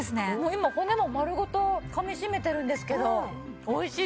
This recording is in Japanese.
今骨も丸ごとかみしめてるんですけど美味しいです。